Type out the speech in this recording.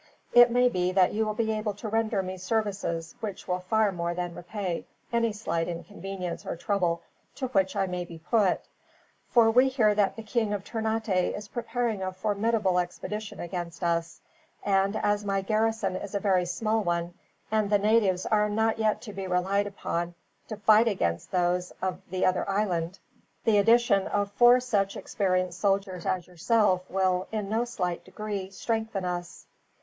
It may be that you will be able to render me services which will far more than repay any slight inconvenience or trouble to which I may be put, for we hear that the King of Ternate is preparing a formidable expedition against us; and as my garrison is a very small one, and the natives are not to be relied upon to fight against those of the other island, the addition of four such experienced soldiers as yourself will, in no slight degree, strengthen us."